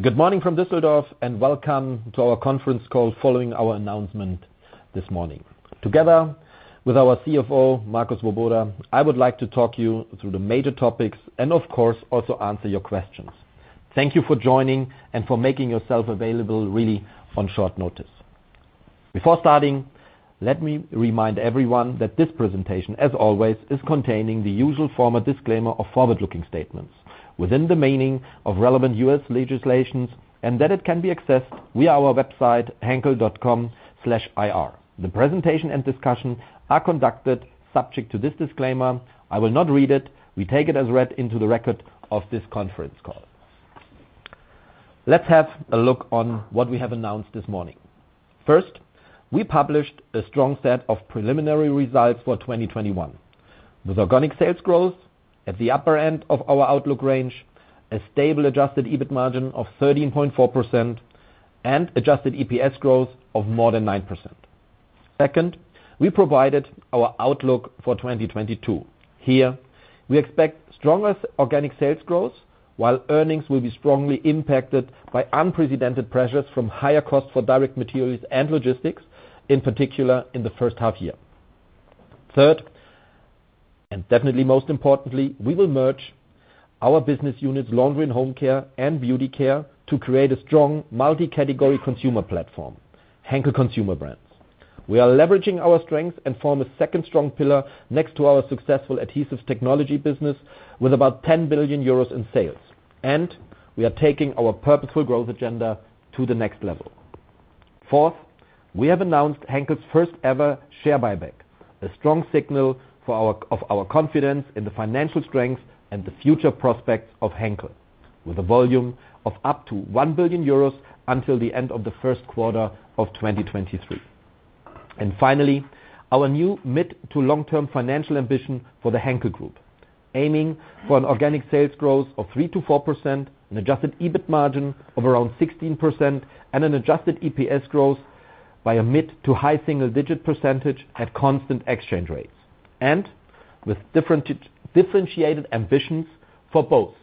Good morning from Düsseldorf, welcome to our conference call following our announcement this morning. Together with our CFO, Marco Swoboda, I would like to talk you through the major topics and, of course, also answer your questions. Thank you for joining and for making yourself available really on short notice. Before starting, let me remind everyone that this presentation, as always, is containing the usual formal disclaimer of forward-looking statements within the meaning of relevant U.S. legislations, and that it can be accessed via our website, henkel.com/ir. The presentation and discussion are conducted subject to this disclaimer. I will not read it. We take it as read into the record of this conference call. Let's have a look on what we have announced this morning. We published a strong set of preliminary results for 2021, with organic sales growth at the upper end of our outlook range, a stable adjusted EBIT margin of 13.4%, and adjusted EPS growth of more than 9%. We provided our outlook for 2022. We expect stronger organic sales growth, while earnings will be strongly impacted by unprecedented pressures from higher costs for direct materials and logistics, in particular in the first half year. Definitely most importantly, we will merge our business units, Laundry & Home Care and Beauty Care, to create a strong multi-category consumer platform, Henkel Consumer Brands. We are leveraging our strength and form a second strong pillar next to our successful Adhesive Technologies business with about 10 billion euros in sales, and we are taking our Purposeful Growth agenda to the next level. Fourth, we have announced Henkel's first-ever share buyback, a strong signal of our confidence in the financial strength and the future prospects of Henkel, with a volume of up to 1 billion euros until the end of the first quarter of 2023. Finally, our new mid to long-term financial ambition for the Henkel Group, aiming for an organic sales growth of 3%-4%, an adjusted EBIT margin of around 16%, and an adjusted EPS growth by a mid- to high-single digit percentage at constant exchange rates, and with differentiated ambitions for both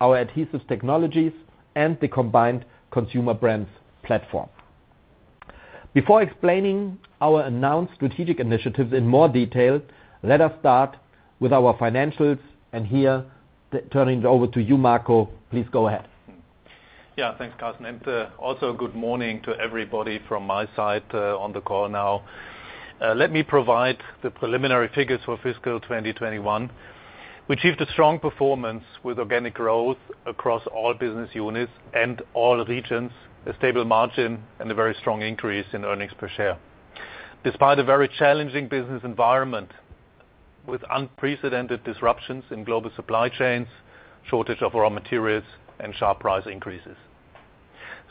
our Adhesive Technologies and the combined Consumer Brands platform. Before explaining our announced strategic initiatives in more detail, let us start with our financials, and here, turning it over to you, Marco. Please go ahead. Yeah. Thanks, Carsten. Good morning to everybody from my side on the call now. Let me provide the preliminary figures for fiscal 2021, which achieved a strong performance with organic growth across all business units and all regions, a stable margin, and a very strong increase in earnings per share despite a very challenging business environment with unprecedented disruptions in global supply chains, shortage of raw materials, and sharp price increases.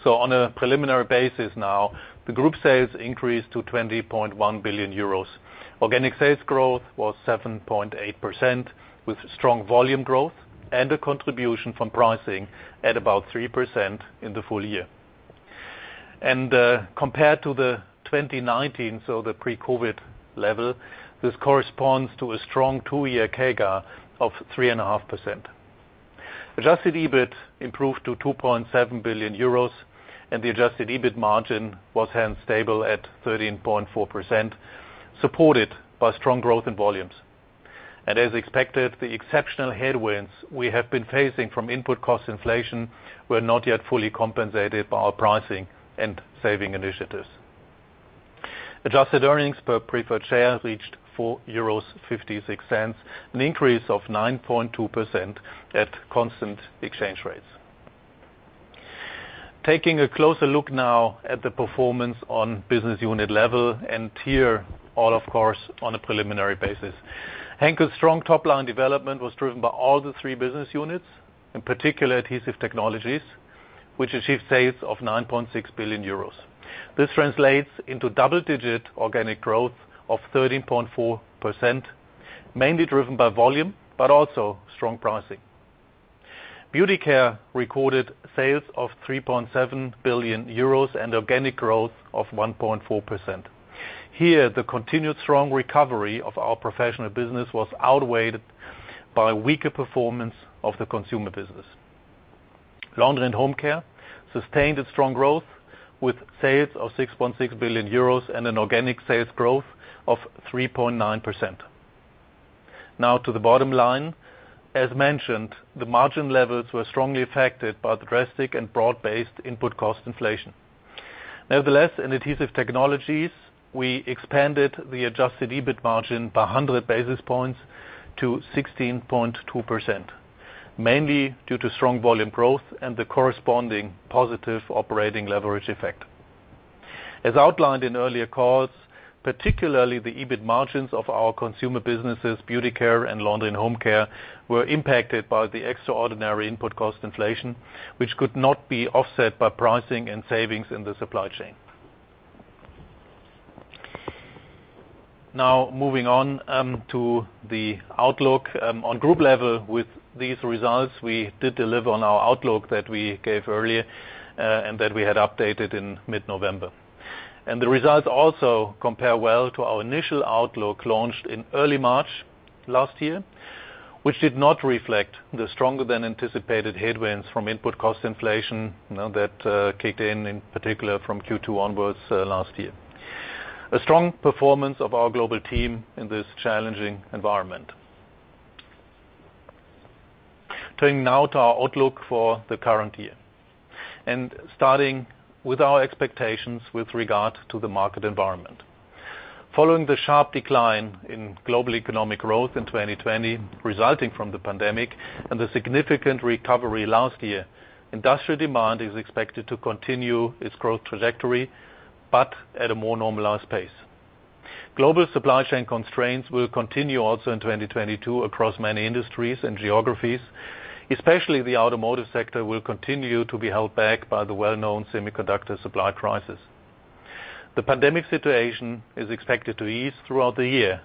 On a preliminary basis now, the group sales increased to 20.1 billion euros. Organic sales growth was 7.8%, with strong volume growth and a contribution from pricing at about 3% in the full year. Compared to the 2019, the pre-COVID level, this corresponds to a strong two-year CAGR of 3.5%. Adjusted EBIT improved to 2.7 billion euros, the adjusted EBIT margin was hence stable at 13.4%, supported by strong growth in volumes. As expected, the exceptional headwinds we have been facing from input cost inflation were not yet fully compensated by our pricing and saving initiatives. Adjusted earnings per preferred share reached 4.56 euros, an increase of 9.2% at constant exchange rates. Taking a closer look now at the performance on business unit level, and here all of course on a preliminary basis. Henkel's strong top-line development was driven by all the three business units, in particular Adhesive Technologies, which achieved sales of 9.6 billion euros. This translates into double digit organic growth of 13.4%, mainly driven by volume, but also strong pricing. Beauty Care recorded sales of 3.7 billion euros and organic growth of 1.4%. Here, the continued strong recovery of our professional business was outweighed by weaker performance of the consumer business. Laundry & Home Care sustained its strong growth with sales of 6.6 billion euros and an organic sales growth of 3.9%. To the bottom line. As mentioned, the margin levels were strongly affected by the drastic and broad-based input cost inflation. In Adhesive Technologies, we expanded the adjusted EBIT margin by 100 basis points to 16.2%, mainly due to strong volume growth and the corresponding positive operating leverage effect. As outlined in earlier calls, particularly the EBIT margins of our consumer businesses, Beauty Care and Laundry & Home Care, were impacted by the extraordinary input cost inflation, which could not be offset by pricing and savings in the supply chain. Moving on to the outlook. On group level with these results, we did deliver on our outlook that we gave earlier and that we had updated in mid-November. The results also compare well to our initial outlook launched in early March last year, which did not reflect the stronger than anticipated headwinds from input cost inflation that kicked in particular from Q2 onwards last year. A strong performance of our global team in this challenging environment. Turning now to our outlook for the current year, and starting with our expectations with regard to the market environment. Following the sharp decline in global economic growth in 2020, resulting from the pandemic, and the significant recovery last year, industrial demand is expected to continue its growth trajectory, but at a more normalized pace. Global supply chain constraints will continue also in 2022 across many industries and geographies, especially the automotive sector will continue to be held back by the well-known semiconductor supply crisis. The pandemic situation is expected to ease throughout the year,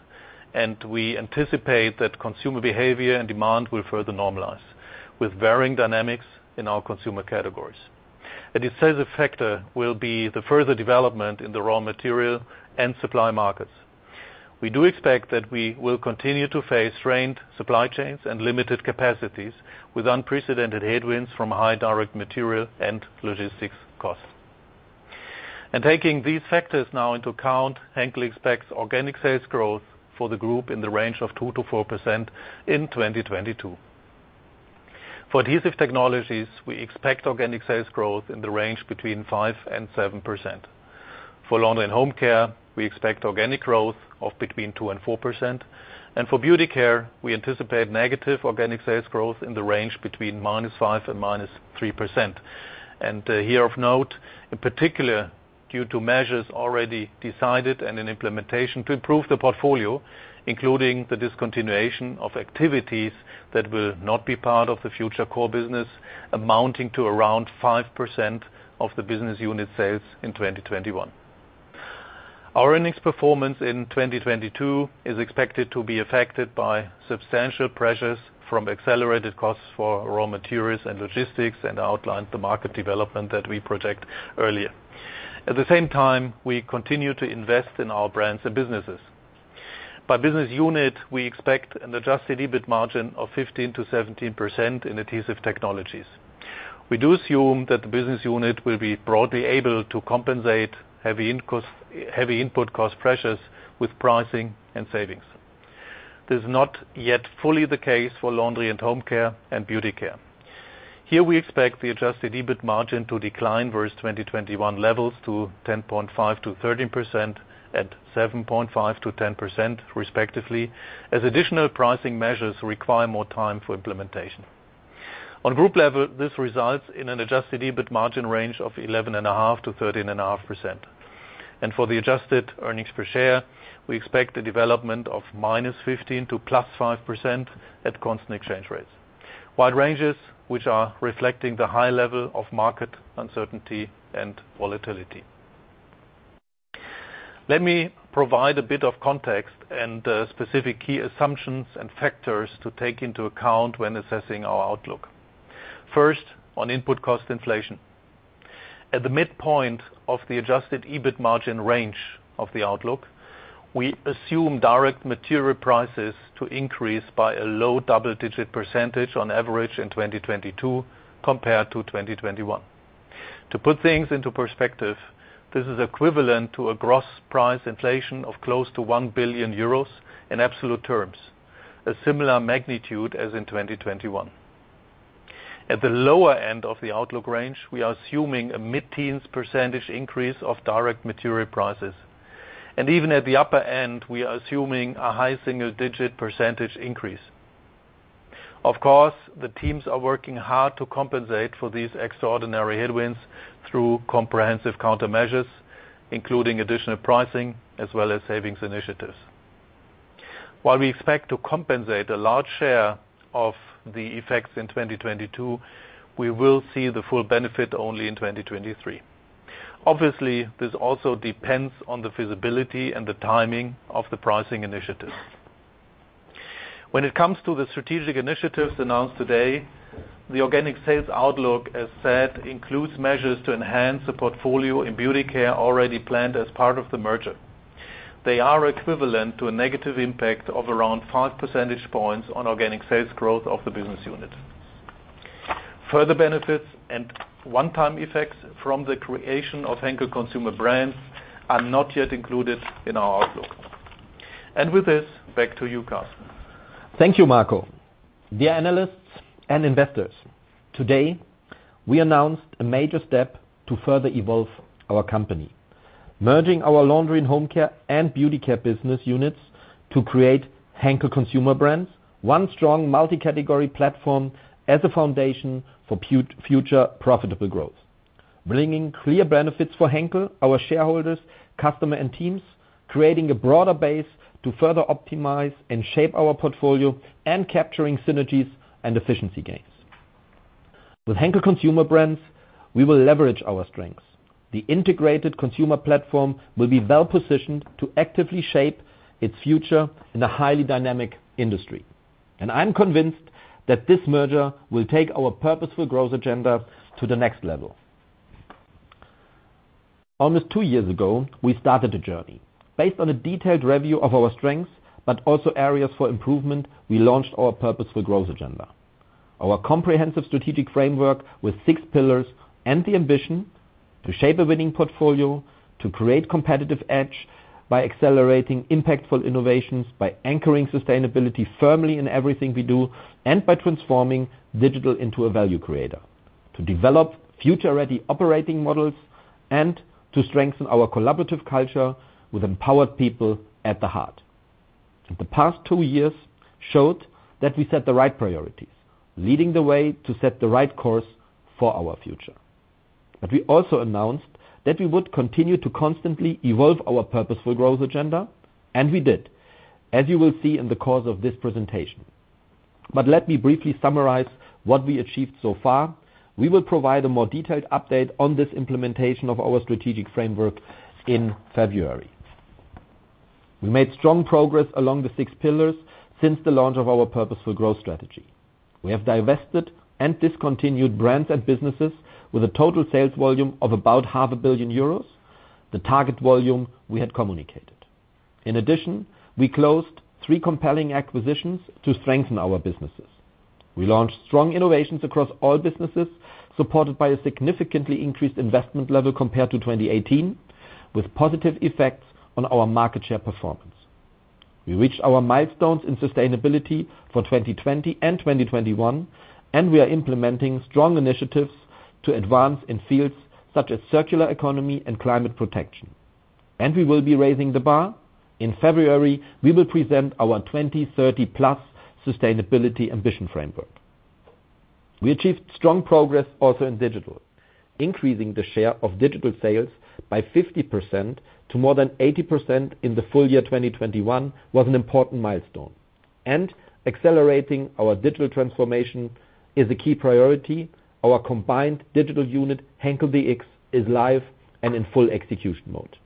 and we anticipate that consumer behavior and demand will further normalize, with varying dynamics in our consumer categories. A decisive factor will be the further development in the raw material and supply markets. We do expect that we will continue to face strained supply chains and limited capacities with unprecedented headwinds from high direct material and logistics costs. Taking these factors now into account, Henkel expects organic sales growth for the group in the range of 2%-4% in 2022. For Adhesive Technologies, we expect organic sales growth in the range between 5% and 7%. For Laundry & Home Care, we expect organic growth of between 2% and 4%. For Beauty Care, we anticipate negative organic sales growth in the range between -5% and -3%. Here of note, in particular, due to measures already decided and in implementation to improve the portfolio, including the discontinuation of activities that will not be part of the future core business, amounting to around 5% of the business unit sales in 2021. Our earnings performance in 2022 is expected to be affected by substantial pressures from accelerated costs for raw materials and logistics and outlined the market development that we project earlier. At the same time, we continue to invest in our brands and businesses. By business unit, we expect an adjusted EBIT margin of 15%-17% in Adhesive Technologies. We do assume that the business unit will be broadly able to compensate heavy input cost pressures with pricing and savings. This is not yet fully the case for Laundry & Home Care and Beauty Care. Here we expect the adjusted EBIT margin to decline versus 2021 levels to 10.5%-13% and 7.5%-10%, respectively, as additional pricing measures require more time for implementation. On group level, this results in an adjusted EBIT margin range of 11.5%-13.5%. For the adjusted EPS, we expect a development of -15% to +5% at constant exchange rates. Wide ranges, which are reflecting the high level of market uncertainty and volatility. Let me provide a bit of context and specific key assumptions and factors to take into account when assessing our outlook. First, on input cost inflation. At the midpoint of the adjusted EBIT margin range of the outlook, we assume direct material prices to increase by a low-double digit percentage on average in 2022 compared to 2021. To put things into perspective, this is equivalent to a gross price inflation of close to 1 billion euros in absolute terms, a similar magnitude as in 2021. At the lower end of the outlook range, we are assuming a mid-teens percentage increase of direct material prices. Even at the upper end, we are assuming a high-single digit percentage increase. Of course, the teams are working hard to compensate for these extraordinary headwinds through comprehensive countermeasures, including additional pricing as well as savings initiatives. While we expect to compensate a large share of the effects in 2022, we will see the full benefit only in 2023. Obviously, this also depends on the feasibility and the timing of the pricing initiatives. When it comes to the strategic initiatives announced today, the organic sales outlook, as said, includes measures to enhance the portfolio in Beauty Care already planned as part of the merger. They are equivalent to a negative impact of around five percentage points on organic sales growth of the business unit. Further benefits and one-time effects from the creation of Henkel Consumer Brands are not yet included in our outlook. With this, back to you, Carsten. Thank you, Marco. Dear analysts and investors, today we announced a major step to further evolve our company, merging our Laundry & Home Care and Beauty Care business units to create Henkel Consumer Brands, one strong multi-category platform as a foundation for future profitable growth, bringing clear benefits for Henkel, our shareholders, customer, and teams, creating a broader base to further optimize and shape our portfolio and capturing synergies and efficiency gains. With Henkel Consumer Brands, we will leverage our strengths. The integrated consumer platform will be well-positioned to actively shape its future in a highly dynamic industry. I'm convinced that this merger will take our Purposeful Growth agenda to the next level. Almost two years ago, we started a journey. Based on a detailed review of our strengths, but also areas for improvement, we launched our Purposeful Growth agenda. Our comprehensive strategic framework with six pillars and the ambition to shape a winning portfolio, to create competitive edge by accelerating impactful innovations, by anchoring sustainability firmly in everything we do, and by transforming digital into a value creator. To develop future-ready operating models and to strengthen our collaborative culture with empowered people at the heart. The past two years showed that we set the right priorities, leading the way to set the right course for our future. We also announced that we would continue to constantly evolve our Purposeful Growth agenda. We did, as you will see in the course of this presentation. Let me briefly summarize what we achieved so far. We will provide a more detailed update on this implementation of our strategic framework in February. We made strong progress along the six pillars since the launch of our Purposeful Growth strategy. We have divested and discontinued brands and businesses with a total sales volume of about 500 million euros the target volume we had communicated. In addition, we closed three compelling acquisitions to strengthen our businesses. We launched strong innovations across all businesses, supported by a significantly increased investment level compared to 2018, with positive effects on our market share performance. We reached our milestones in sustainability for 2020 and 2021, and we are implementing strong initiatives to advance in fields such as circular economy and climate protection. We will be raising the bar. In February, we will present our 2030 plus sustainability ambition framework. We achieved strong progress also in digital. Increasing the share of digital sales by 50% to more than 80% in the full year 2021 was an important milestone. Accelerating our digital transformation is a key priority. Our combined digital unit, Henkel dx, is live and in full execution mode.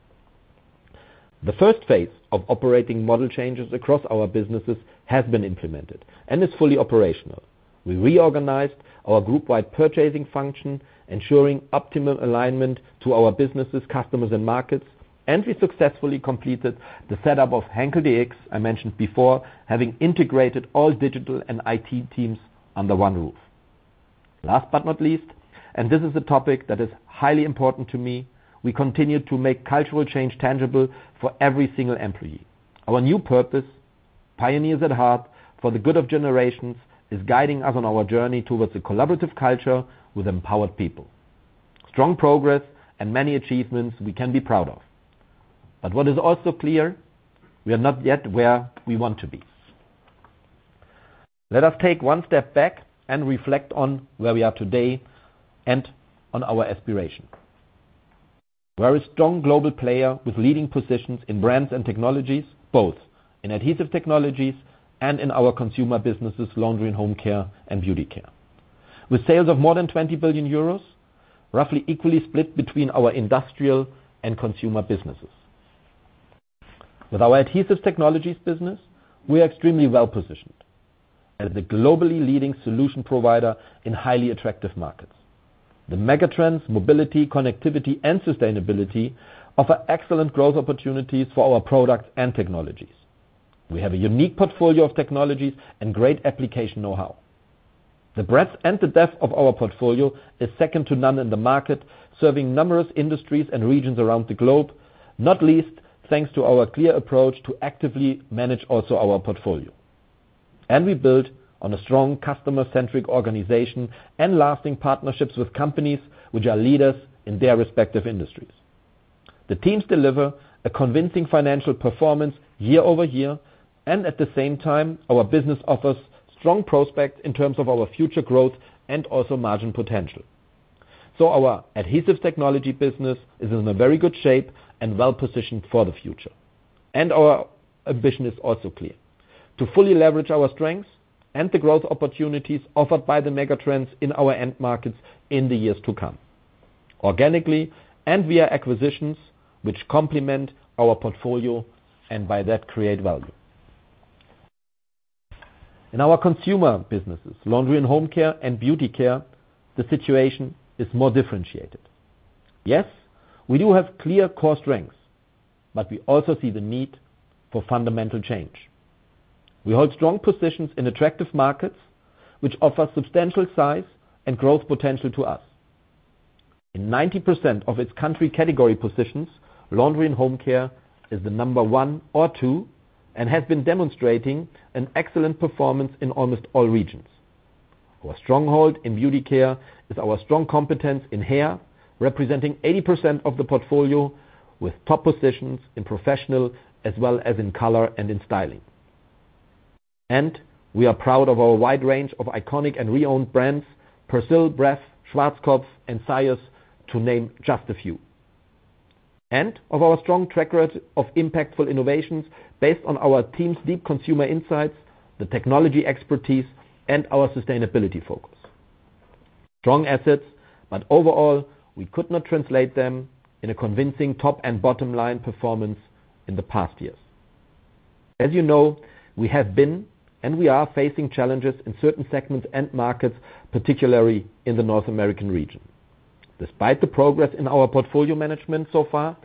The first phase of operating model changes across our businesses has been implemented and is fully operational. We reorganized our group-wide purchasing function, ensuring optimum alignment to our businesses, customers, and markets, and we successfully completed the setup of Henkel dx, I mentioned before, having integrated all digital and IT teams under one roof. Last but not least, this is a topic that is highly important to me, we continue to make cultural change tangible for every single employee. Our new purpose, pioneers at heart for the good of generations, is guiding us on our journey towards a collaborative culture with empowered people. Strong progress and many achievements we can be proud of. What is also clear, we are not yet where we want to be. Let us take one step back and reflect on where we are today and on our aspiration. We're a strong global player with leading positions in brands and technologies, both in Adhesive Technologies and in our consumer businesses, Laundry & Home Care and Beauty Care. With sales of more than 20 billion euros, roughly equally split between our industrial and consumer businesses. With our Adhesive Technologies business, we are extremely well-positioned as the globally leading solution provider in highly attractive markets. The megatrends, mobility, connectivity, and sustainability offer excellent growth opportunities for our products and technologies. We have a unique portfolio of technologies and great application know-how. The breadth and the depth of our portfolio is second to none in the market, serving numerous industries and regions around the globe, not least, thanks to our clear approach to actively manage also our portfolio. We build on a strong customer-centric organization and lasting partnerships with companies which are leaders in their respective industries. The teams deliver a convincing financial performance year-over-year, and at the same time, our business offers strong prospects in terms of our future growth and also margin potential. Our Adhesive Technologies business is in a very good shape and well-positioned for the future. Our ambition is also clear: to fully leverage our strengths and the growth opportunities offered by the megatrends in our end markets in the years to come, organically and via acquisitions which complement our portfolio and by that create value. In our consumer businesses, Laundry & Home Care and Beauty Care, the situation is more differentiated. Yes, we do have clear core strengths, but we also see the need for fundamental change. We hold strong positions in attractive markets, which offer substantial size and growth potential to us. In 90% of its country category positions, Laundry & Home Care is the number one or two and has been demonstrating an excellent performance in almost all regions. Our stronghold in Beauty Care is our strong competence in hair, representing 80% of the portfolio with top positions in professional as well as in color and in styling. We are proud of our wide range of iconic and renowned brands, Persil, Bref, Schwarzkopf, and Syoss, to name just a few, and of our strong track record of impactful innovations based on our team's deep consumer insights, the technology expertise, and our sustainability focus. Strong assets, but overall, we could not translate them in a convincing top and bottom line performance in the past years. As you know, we have been, and we are facing challenges in certain segments and markets, particularly in the North American region. Despite the progress in our portfolio management so far,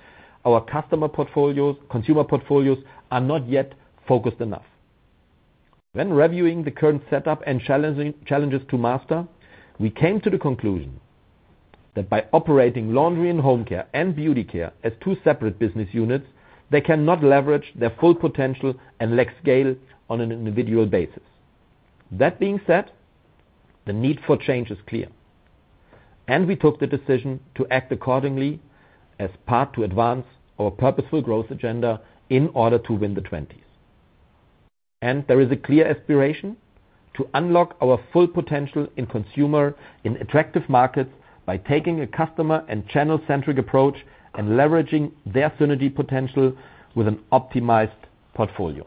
our customer portfolios, consumer portfolios are not yet focused enough. When reviewing the current setup and challenges to master, we came to the conclusion that by operating Laundry & Home Care and Beauty Care as two separate business units, they cannot leverage their full potential and lack scale on an individual basis. That being said, the need for change is clear. We took the decision to act accordingly as part to advance our Purposeful Growth agenda in order to win the '20s. There is a clear aspiration to unlock our full potential in consumer in attractive markets by taking a customer and channel-centric approach and leveraging their synergy potential with an optimized portfolio.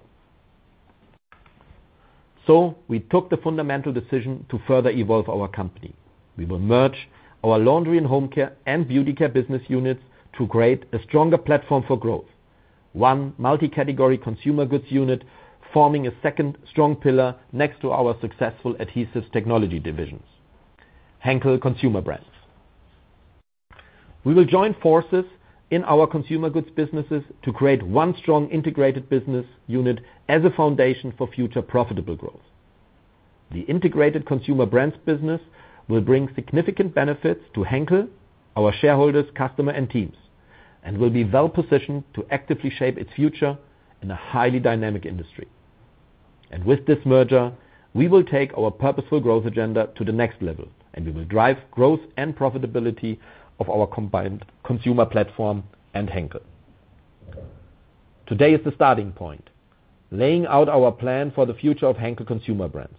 We took the fundamental decision to further evolve our company. We will merge our Laundry & Home Care and Beauty Care business units to create a stronger platform for growth. One multi-category consumer goods unit forming a second strong pillar next to our successful Adhesive Technologies divisions, Henkel Consumer Brands. We will join forces in our consumer goods businesses to create one strong integrated business unit as a foundation for future profitable growth. The integrated consumer brands business will bring significant benefits to Henkel, our shareholders, customer, and teams, and will be well-positioned to actively shape its future in a highly dynamic industry. With this merger, we will take our Purposeful Growth agenda to the next level, and we will drive growth and profitability of our combined consumer platform and Henkel. Today is the starting point, laying out our plan for the future of Henkel Consumer Brands.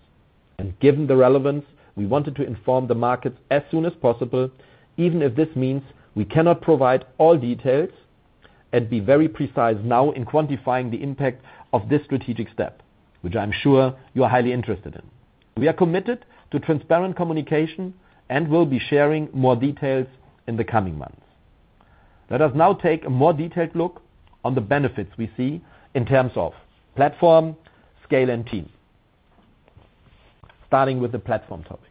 Given the relevance, we wanted to inform the markets as soon as possible, even if this means we cannot provide all details and be very precise now in quantifying the impact of this strategic step, which I'm sure you are highly interested in. We are committed to transparent communication and will be sharing more details in the coming months. Let us now take a more detailed look on the benefits we see in terms of platform, scale, and team. Starting with the platform topic.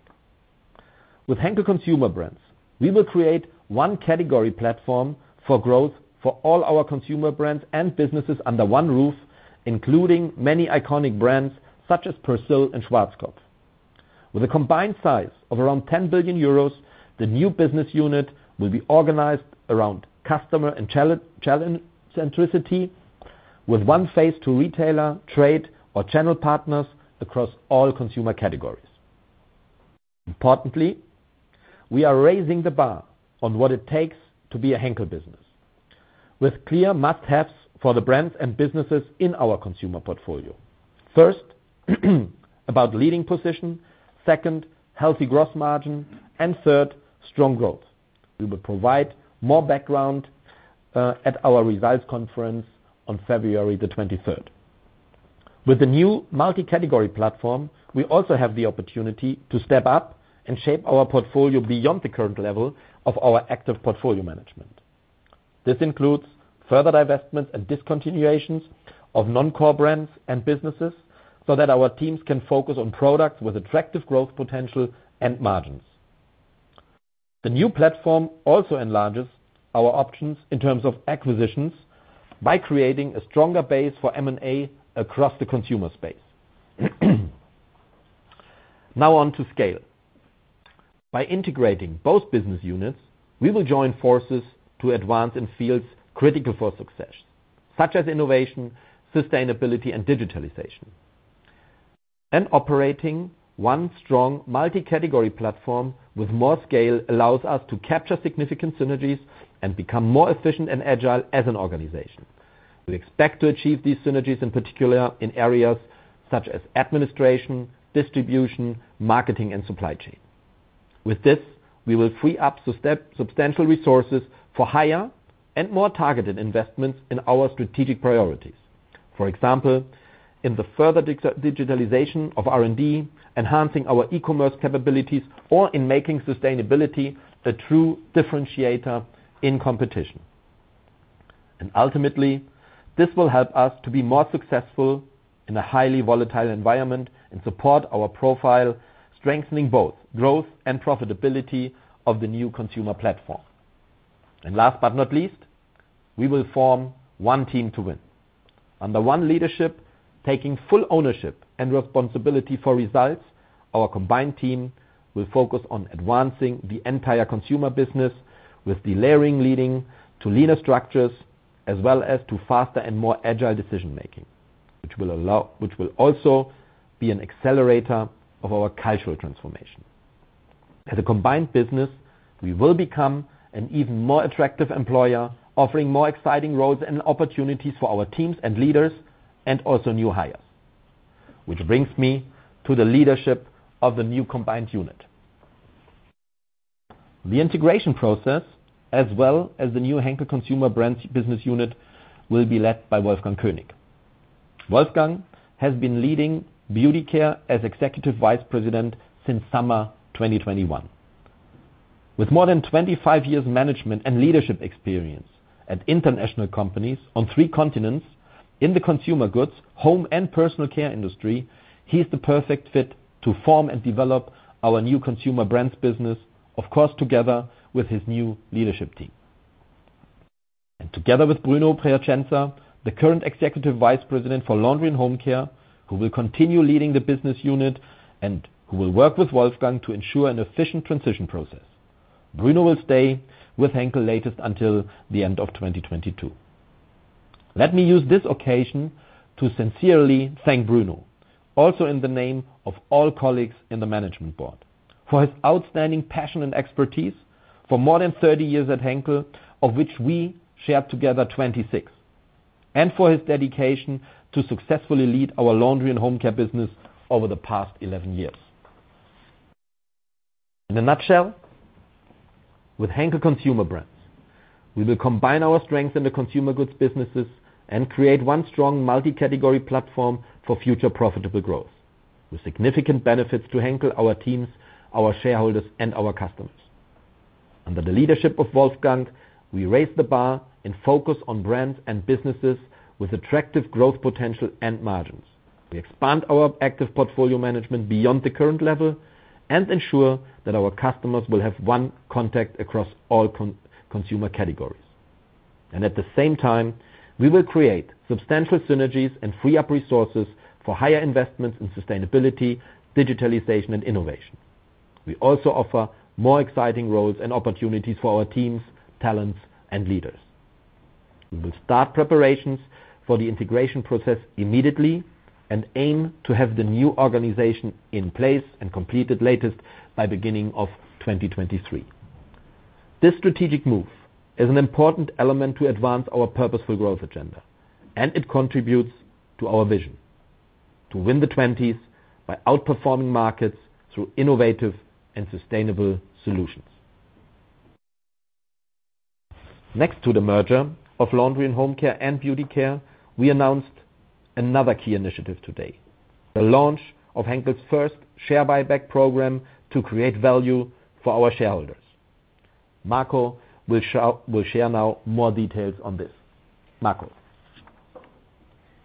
With Henkel Consumer Brands, we will create one category platform for growth for all our consumer brands and businesses under one roof, including many iconic brands such as Persil and Schwarzkopf. With a combined size of around 10 billion euros, the new business unit will be organized around customer and channel centricity with one face to retailer, trade, or channel partners across all consumer categories. Importantly, we are raising the bar on what it takes to be a Henkel business. With clear must-haves for the brands and businesses in our consumer portfolio. First, about leading position. Second, healthy gross margin. Third, strong growth. We will provide more background at our results conference on February the 23rd. With the new multi-category platform, we also have the opportunity to step up and shape our portfolio beyond the current level of our active portfolio management. This includes further divestments and discontinuations of non-core brands and businesses so that our teams can focus on products with attractive growth potential and margins. The new platform also enlarges our options in terms of acquisitions by creating a stronger base for M&A across the consumer space. On to scale. By integrating both business units, we will join forces to advance in fields critical for success, such as innovation, sustainability, and digitalization. Operating one strong multi-category platform with more scale allows us to capture significant synergies and become more efficient and agile as an organization. We expect to achieve these synergies in particular in areas such as administration, distribution, marketing, and supply chain. With this, we will free up substantial resources for higher and more targeted investments in our strategic priorities. For example, in the further digitalization of R&D, enhancing our e-commerce capabilities, or in making sustainability a true differentiator in competition. Ultimately, this will help us to be more successful in a highly volatile environment and support our profile, strengthening both growth and profitability of the new consumer platform. Last but not least, we will form one team to win. Under one leadership, taking full ownership and responsibility for results, our combined team will focus on advancing the entire consumer business with delayering leading to leaner structures, as well as to faster and more agile decision-making, which will also be an accelerator of our cultural transformation. As a combined business, we will become an even more attractive employer, offering more exciting roles and opportunities for our teams and leaders, and also new hires, which brings me to the leadership of the new combined unit. The integration process, as well as the new Henkel Consumer Brands business unit will be led by Wolfgang König. Wolfgang has been leading Beauty Care as Executive Vice President since summer 2021. With more than 25 years management and leadership experience at international companies on three continents in the consumer goods, home, and personal care industry, he's the perfect fit to form and develop our new Consumer Brands business, of course, together with his new leadership team. Together with Bruno Piacenza, the current Executive Vice President for Laundry & Home Care, who will continue leading the business unit and who will work with Wolfgang to ensure an efficient transition process. Bruno will stay with Henkel latest until the end of 2022. Let me use this occasion to sincerely thank Bruno, also in the name of all colleagues in the Management Board, for his outstanding passion and expertise for more than 30 years at Henkel, of which we shared together 26, and for his dedication to successfully lead our Laundry & Home Care business over the past 11 years. In a nutshell, with Henkel Consumer Brands, we will combine our strengths in the consumer goods businesses and create one strong multi-category platform for future profitable growth with significant benefits to Henkel, our teams, our shareholders, and our customers. Under the leadership of Wolfgang, we raise the bar and focus on brands and businesses with attractive growth potential and margins. At the same time, we will create substantial synergies and free up resources for higher investments in sustainability, digitalization, and innovation. We also offer more exciting roles and opportunities for our teams, talents, and leaders. We will start preparations for the integration process immediately and aim to have the new organization in place and completed latest by beginning of 2023. This strategic move is an important element to advance our Purposeful Growth agenda. It contributes to our vision to win the '20s by outperforming markets through innovative and sustainable solutions. Next to the merger of Laundry & Home Care and Beauty Care, we announced another key initiative today, the launch of Henkel's first share buyback program to create value for our shareholders. Marco will share now more details on this. Marco.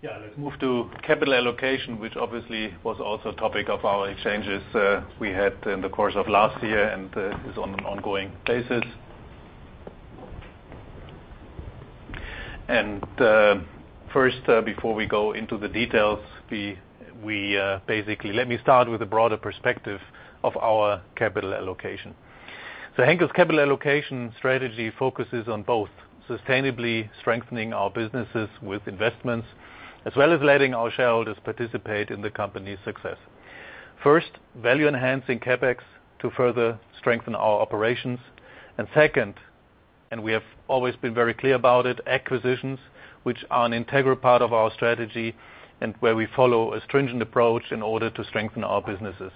Yeah. Let's move to capital allocation, which obviously was also a topic of our exchanges we had in the course of last year and is on an ongoing basis. First, before we go into the details, basically, let me start with a broader perspective of our capital allocation. Henkel's capital allocation strategy focuses on both sustainably strengthening our businesses with investments as well as letting our shareholders participate in the company's success. First, value-enhancing CapEx to further strengthen our operations. Second, and we have always been very clear about it, acquisitions, which are an integral part of our strategy and where we follow a stringent approach in order to strengthen our businesses.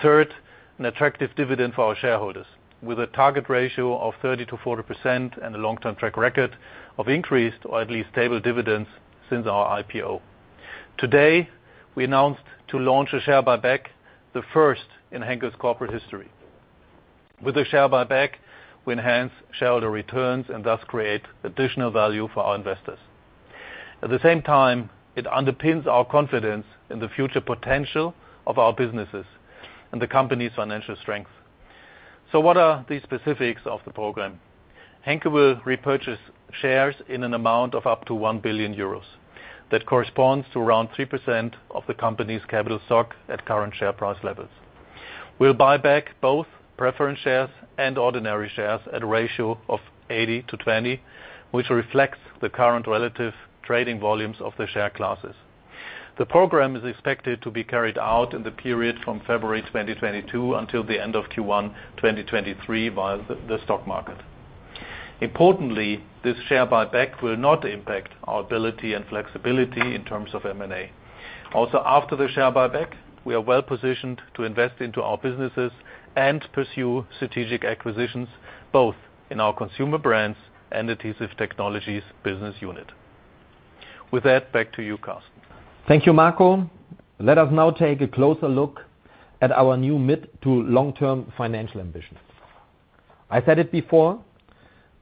Third, an attractive dividend for our shareholders with a target ratio of 30%-40% and a long-term track record of increased or at least stable dividends since our IPO. Today, we announced to launch a share buyback, the first in Henkel's corporate history. With a share buyback, we enhance shareholder returns and thus create additional value for our investors. At the same time, it underpins our confidence in the future potential of our businesses and the company's financial strength. What are the specifics of the program? Henkel will repurchase shares in an amount of up to 1 billion euros. That corresponds to around 3% of the company's capital stock at current share price levels. We'll buy back both preference shares and ordinary shares at a ratio of 80:20, which reflects the current relative trading volumes of the share classes. The program is expected to be carried out in the period from February 2022 until the end of Q1 2023 via the stock market. Importantly, this share buyback will not impact our ability and flexibility in terms of M&A. Also, after the share buyback, we are well-positioned to invest into our businesses and pursue strategic acquisitions both in our Consumer Brands and Adhesive Technologies business unit. With that, back to you, Carsten. Thank you, Marco. Let us now take a closer look at our new mid to long-term financial ambitions. I said it before,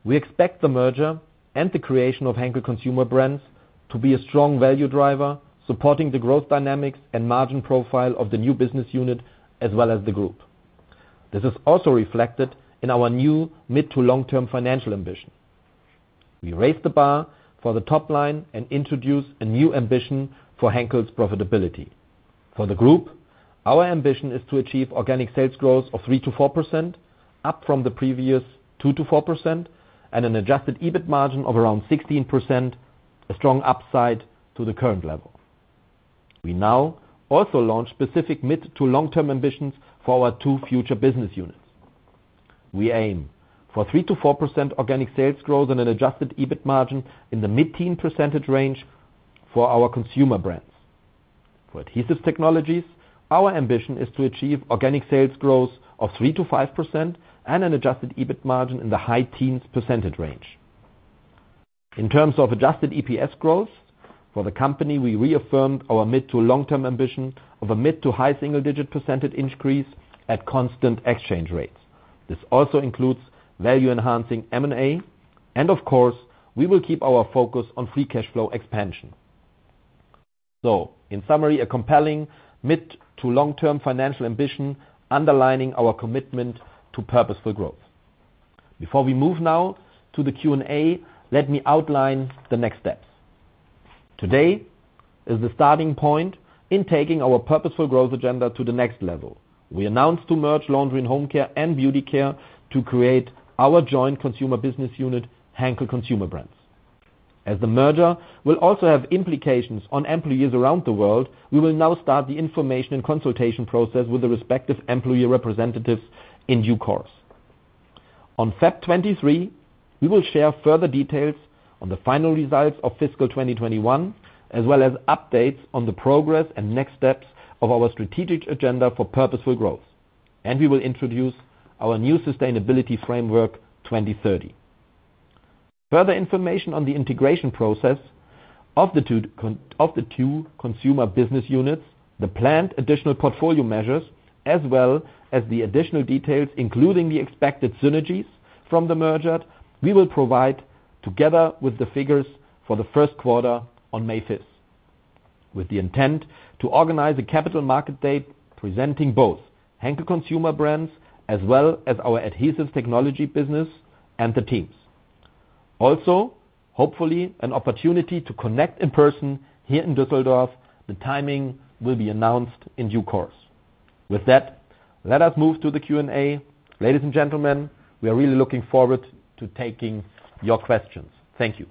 we expect the merger and the creation of Henkel Consumer Brands to be a strong value driver, supporting the growth dynamics and margin profile of the new business unit as well as the group. This is also reflected in our new mid to long-term financial ambition. We raise the bar for the top line and introduce a new ambition for Henkel's profitability. For the group, our ambition is to achieve organic sales growth of 3%-4%, up from the previous 2%-4%, and an adjusted EBIT margin of around 16%, a strong upside to the current level. We now also launch specific mid to long-term ambitions for our two future business units. We aim for 3%-4% organic sales growth and an adjusted EBIT margin in the mid-teen percentage range for our Consumer Brands. For Adhesive Technologies, our ambition is to achieve organic sales growth of 3%-5% and an adjusted EBIT margin in the high teens percentage range. In terms of adjusted EPS growth for the company, we reaffirmed our mid- to long-term ambition of a mid- to high-single digit percentage increase at constant exchange rates. This also includes value-enhancing M&A, and of course, we will keep our focus on free cash flow expansion. In summary, a compelling mid to long-term financial ambition underlining our commitment to Purposeful Growth. Before we move now to the Q&A, let me outline the next steps. Today is the starting point in taking our Purposeful Growth agenda to the next level. We announced to merge Laundry & Home Care and Beauty Care to create our joint consumer business unit, Henkel Consumer Brands. As the merger will also have implications on employees around the world, we will now start the information and consultation process with the respective employee representatives in due course. On February 23, we will share further details on the final results of fiscal 2021, as well as updates on the progress and next steps of our strategic agenda for Purposeful Growth, and we will introduce our new sustainability framework 2030. Further information on the integration process of the two consumer business units, the planned additional portfolio measures, as well as the additional details, including the expected synergies from the merger. We will provide together with the figures for the first quarter on May 5th, with the intent to organize a Capital Markets Day presenting both Henkel Consumer Brands as well as our Adhesive Technologies business and the teams. Also, hopefully an opportunity to connect in person here in Düsseldorf. The timing will be announced in due course. With that, let us move to the Q&A. Ladies and gentlemen, we are really looking forward to taking your questions. Thank you.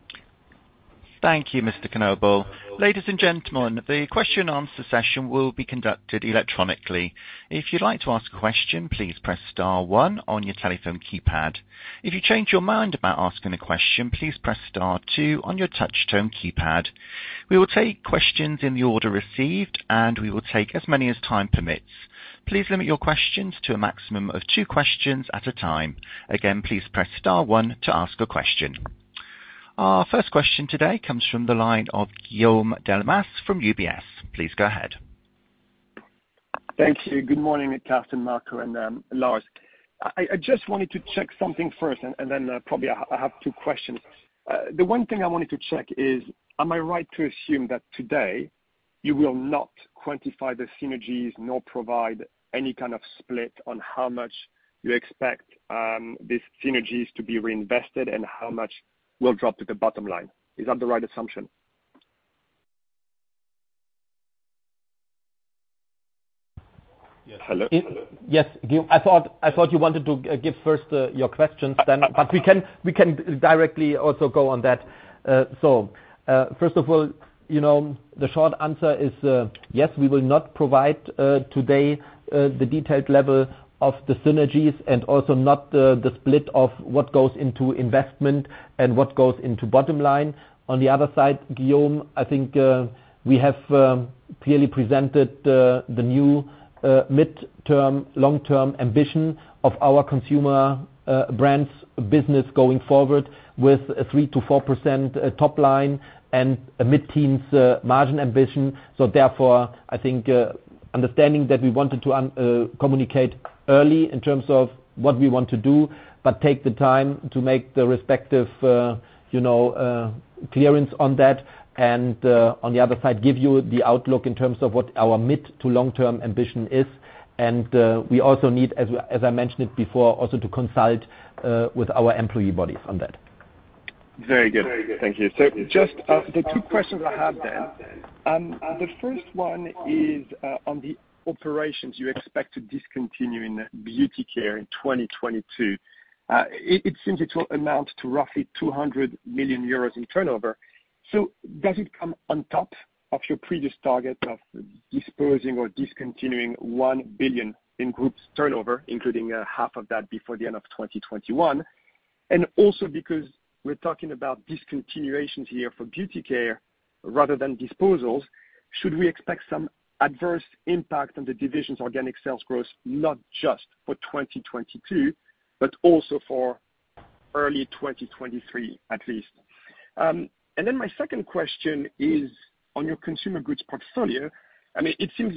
Thank you, Mr. Knobel. Ladies and gentlemen, the question and answer session will be conducted electronically. If you'd like to ask a question, please press star one on your telephone keypad. If you change your mind about asking a question, please press star two on your touchtone keypad. We will take questions in the order received, and we will take as many as time permits. Please limit your questions to a maximum of two questions at a time. Again, please press star one to ask a question. Our first question today comes from the line of Guillaume Delmas from UBS. Please go ahead. Thank you. Good morning, Carsten, Marco, and Lars. I just wanted to check something first, and then probably I have two questions. The one thing I wanted to check is, am I right to assume that today you will not quantify the synergies nor provide any kind of split on how much you expect these synergies to be reinvested and how much will drop to the bottom line? Is that the right assumption? Yes. Guillaume, I thought you wanted to give first your questions then. We can directly also go on that. First of all, the short answer is yes, we will not provide today the detailed level of the synergies and also not the split of what goes into investment and what goes into bottom line. On the other side, Guillaume, I think we have clearly presented the new mid-term, long-term ambition of our Consumer Brands business going forward with a 3%-4% top line and a mid-teens margin ambition. Therefore, I think understanding that we wanted to communicate early in terms of what we want to do, but take the time to make the respective clearance on that, and on the other side, give you the outlook in terms of what our mid to long-term ambition is. We also need, as I mentioned it before, also to consult with our employee bodies on that. Very good. Thank you. Just the two questions I have then. The first one is on the operations you expect to discontinue in Beauty Care in 2022. It seems it will amount to roughly 200 million euros in turnover. Does it come on top of your previous target of disposing or discontinuing 1 billion in group's turnover, including half of that before the end of 2021? Also because we're talking about discontinuations here for Beauty Care rather than disposals, should we expect some adverse impact on the division's organic sales growth, not just for 2022, but also for early 2023 at least? My second question is on your consumer goods portfolio. It seems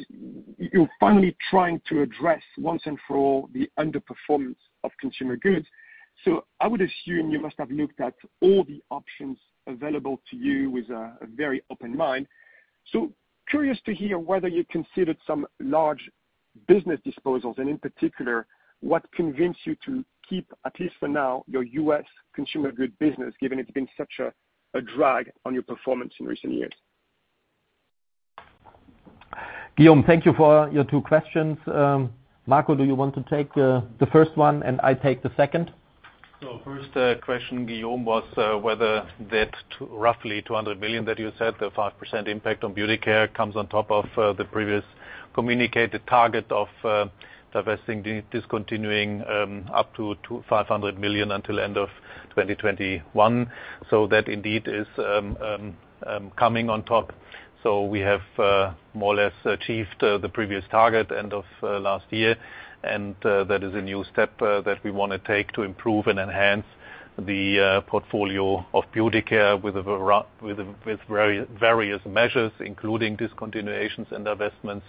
you're finally trying to address once and for all the underperformance of consumer goods. I would assume you must have looked at all the options available to you with a very open mind. Curious to hear whether you considered some large business disposals, and in particular, what convinced you to keep, at least for now, your U.S. consumer goods business, given it's been such a drag on your performance in recent years? Guillaume, thank you for your two questions. Marco, do you want to take the first one and I take the second? First question, Guillaume, was whether that roughly 200 million that you said, the 5% impact on Beauty Care comes on top of the previous communicated target of divesting, discontinuing up to 500 million until end of 2021. That indeed is coming on top. We have more or less achieved the previous target end of last year, and that is a new step that we want to take to improve and enhance the portfolio of Beauty Care with various measures, including discontinuations and divestments,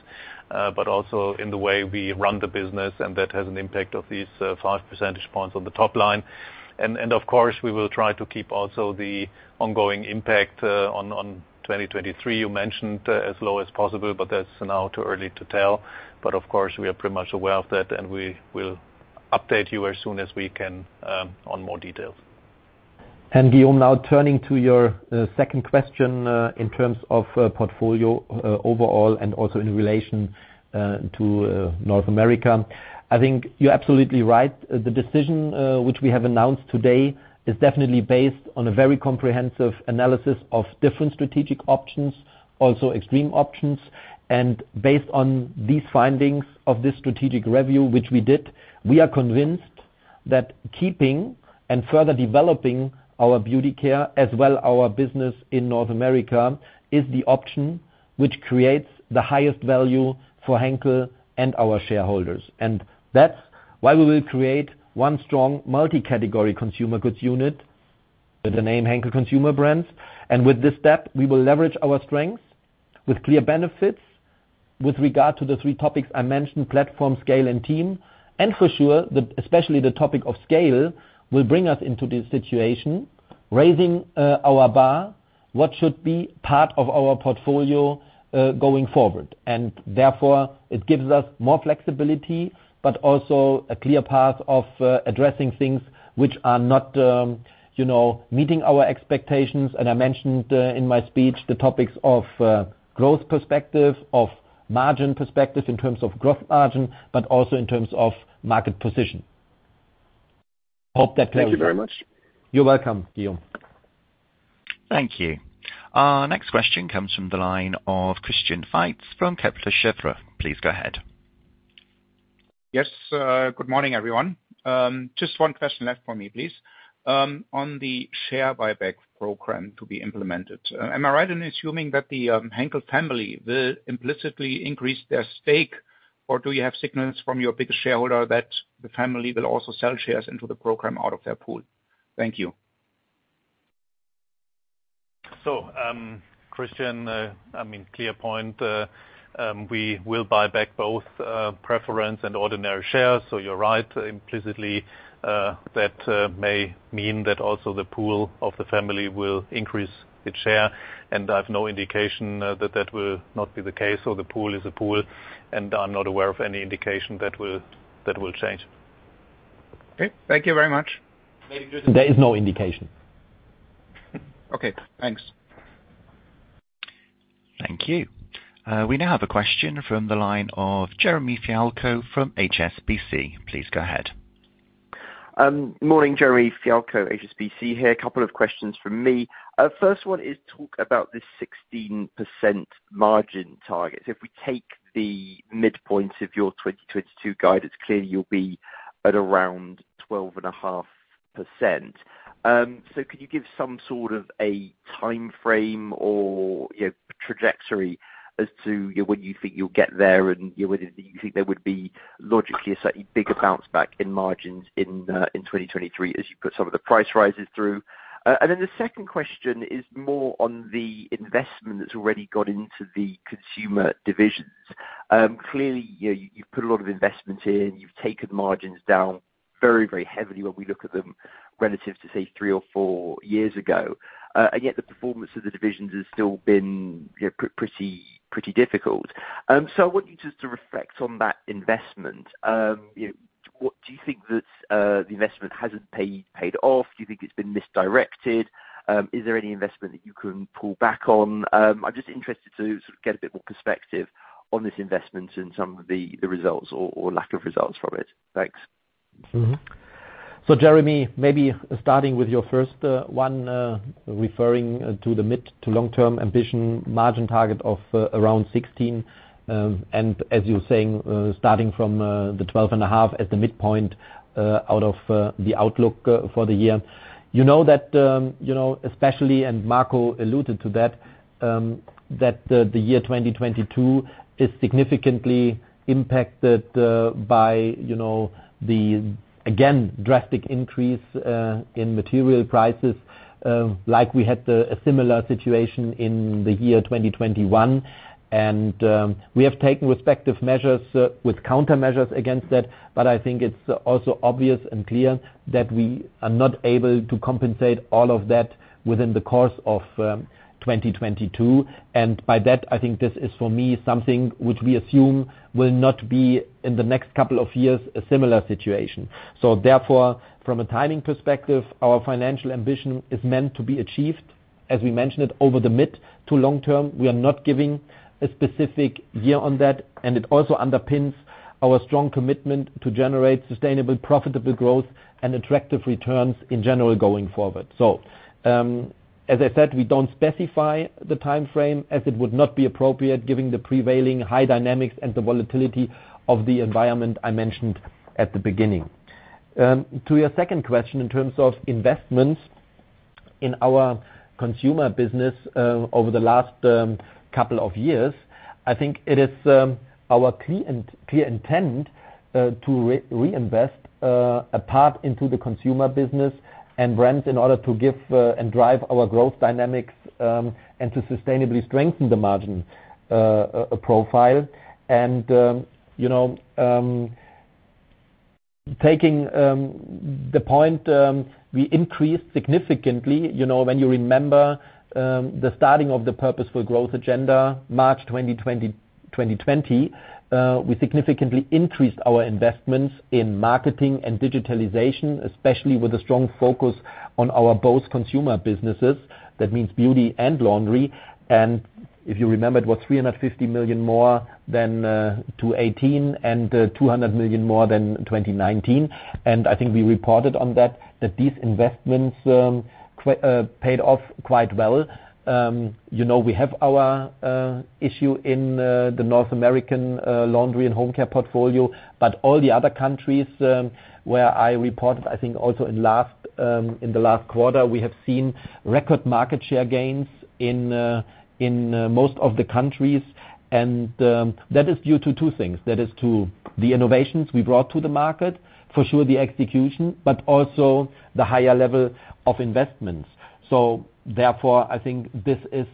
but also in the way we run the business, and that has an impact of these 5 percentage points on the top line. Of course, we will try to keep also the ongoing impact on 2023, you mentioned as low as possible, but that's now too early to tell. Of course, we are pretty much aware of that, and we will update you as soon as we can on more details. Guillaume, now turning to your second question in terms of portfolio overall and also in relation to North America. I think you're absolutely right. The decision, which we have announced today, is definitely based on a very comprehensive analysis of different strategic options, also extreme options. Based on these findings of this strategic review, which we did, we are convinced that keeping and further developing our Beauty Care as well our business in North America is the option which creates the highest value for Henkel and our shareholders. That's why we will create one strong multi-category consumer goods unit with the name Henkel Consumer Brands. With this step, we will leverage our strengths with clear benefits with regard to the three topics I mentioned, platform, scale, and team. For sure, especially the topic of scale, will bring us into this situation, raising our bar, what should be part of our portfolio, going forward. Therefore, it gives us more flexibility, but also a clear path of addressing things which are not meeting our expectations. I mentioned in my speech the topics of growth perspective, of margin perspective in terms of gross margin, but also in terms of market position. Hope that clears it. Thank you very much. You're welcome, Guillaume. Thank you. Our next question comes from the line of Christian Faitz from Kepler Cheuvreux. Please go ahead. Yes, good morning, everyone. Just one question left for me, please. On the share buyback program to be implemented, am I right in assuming that the Henkel family will implicitly increase their stake, or do you have signals from your biggest shareholder that the Henkel family will also sell shares into the program out of their pool? Thank you. Christian, clear point, we will buy back both preference and ordinary shares. You’re right, implicitly, that may mean that also the pool of the Henkel family will increase its share, and I have no indication that that will not be the case. The pool is a pool, and I’m not aware of any indication that will change. Okay. Thank you very much. There is no indication. Okay, thanks. Thank you. We now have a question from the line of Jeremy Fialko from HSBC. Please go ahead. Morning, Jeremy Fialko, HSBC here. A couple of questions from me. First one is talk about this 16% margin target. If we take the midpoint of your 2022 guidance, clearly you'll be at around 12.5%. Could you give some sort of a timeframe or trajectory as to when you think you'll get there, and do you think there would be logically a slightly bigger bounce back in margins in 2023 as you put some of the price rises through? Then the second question is more on the investment that's already gone into the consumer divisions. Clearly, you've put a lot of investment in. You've taken margins down very, very heavily when we look at them relative to, say, three or four years ago. Yet the performance of the divisions has still been pretty difficult. I want you just to reflect on that investment. Do you think that the investment hasn't paid off? Do you think it's been misdirected? Is there any investment that you can pull back on? I'm just interested to get a bit more perspective on this investment and some of the results or lack of results from it. Thanks. Jeremy, maybe starting with your first one, referring to the mid to long-term ambition margin target of around 16%. As you're saying, starting from the 12.5% as the midpoint out of the outlook for the year. You know that, especially, Marco alluded to that the year 2022 is significantly impacted by the, again, drastic increase in material prices, like we had a similar situation in the year 2021. We have taken respective measures with countermeasures against that, but I think it's also obvious and clear that we are not able to compensate all of that within the course of 2022. By that, I think this is, for me, something which we assume will not be in the next couple of years a similar situation. Therefore, from a timing perspective, our financial ambition is meant to be achieved. As we mentioned, over the mid- to long-term, we are not giving a specific year on that, and it also underpins our strong commitment to generate sustainable, profitable growth and attractive returns in general going forward. As I said, we don't specify the timeframe as it would not be appropriate given the prevailing high dynamics and the volatility of the environment I mentioned at the beginning. To your second question, in terms of investments in our Consumer business over the last couple of years, I think it is our clear intent to reinvest a part into the Consumer business and brands in order to give and drive our growth dynamics, and to sustainably strengthen the margin profile. Taking the point, we increased significantly, when you remember the starting of the Purposeful Growth agenda, March 2020, we significantly increased our investments in marketing and digitalization, especially with a strong focus on our both consumer businesses. That means Beauty and Laundry, and if you remember, it was 350 million more than 2018 and 200 million more than 2019. I think we reported on that these investments paid off quite well. We have our issue in the North American Laundry & Home Care portfolio, but all the other countries where I reported, I think also in the last quarter, we have seen record market share gains in most of the countries. That is due to two things. That is to the innovations we brought to the market, for sure the execution, but also the higher level of investments. Therefore, I think this is